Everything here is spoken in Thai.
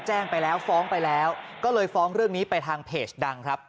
แจ้งไปแล้วฟ้องไปแล้วก็เลยฟ้องเรื่องนี้ไปทางเพจดังครับ